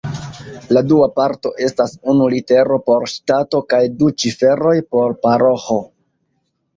La dua parto estas unu litero por ŝtato kaj du ciferoj por paroĥo.